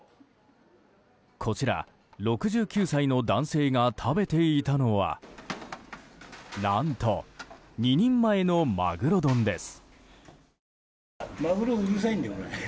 こちら６９歳の男性が食べていたのは何と２人前のまぐろ丼です。